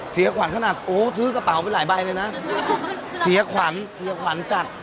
เสียขวัญขนาดโอ้ซื้อกระเป๋าไปหลายใบเลยนะเสียขวัญเสียขวัญจัด